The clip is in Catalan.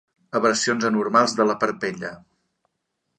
Eversions anormals de la parpella.